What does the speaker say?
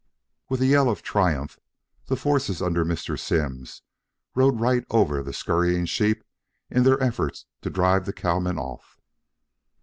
With a yell of triumph the forces under Mr. Simms rode right over the scurrying sheep in their effort to drive the cowmen off.